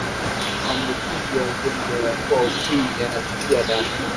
maambukizi ya ugonjwa wa ukimwi yanapitia damu